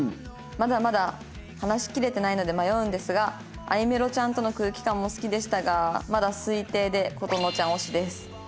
「まだまだ話しきれてないので迷うんですがあいめろちゃんとの空気感も好きでしたがまだ推定で琴之ちゃん推しです」